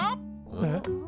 えっ？